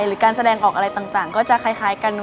หรือการแสดงออกอะไรต่างก็จะคล้ายกัน